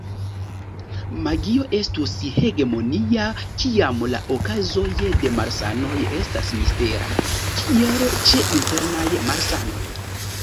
Magio estus hegemonia kiam la okazoj de malsanoj estas mistera, kiel ĉe internaj malsanoj.